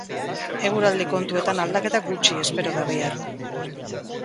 Eguraldi kontuetan aldaketa gutxi espero da bihar.